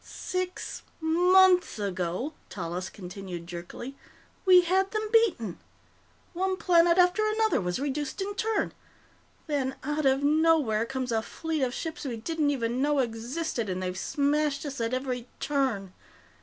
"Six months ago," Tallis continued jerkily, "we had them beaten. One planet after another was reduced in turn. Then, out of nowhere, comes a fleet of ships we didn't even know existed, and they've smashed us at every turn."